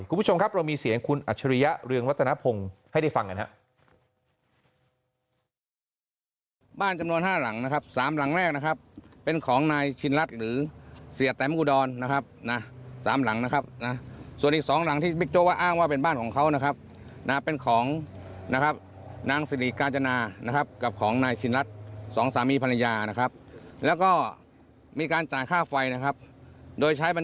คุณผู้ชมครับเรามีเสียงคุณอัจฉริยะเรืองรัตนพงศ์ให้ได้ฟังกันครับ